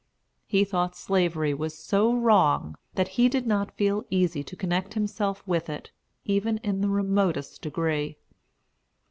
He thought Slavery was so wrong, that he did not feel easy to connect himself with it, even in the remotest degree.